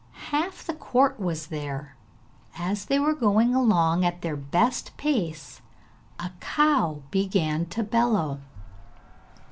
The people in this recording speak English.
Half the court was there. As they were going along at their best pace a cow began to bellow.